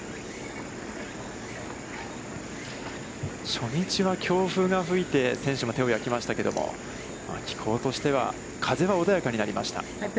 初日は強風が吹いて、選手も手を焼きましたけれども、気候としては、風は穏やかになりました。